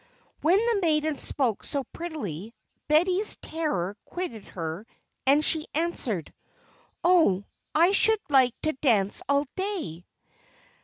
When the maiden spoke so prettily, Betty's terror quitted her, and she answered: "Oh! I should like to dance all day!"